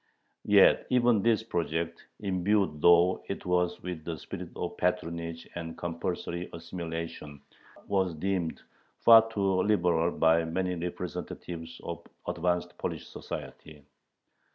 Yet even this project, imbued though it was with the spirit of patronage and compulsory assimilation, was deemed far too liberal by many representatives of advanced Polish society.